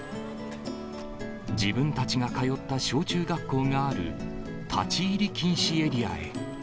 自分たちが通った小中学校がある立ち入り禁止エリアへ。